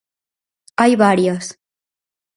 Hai varias: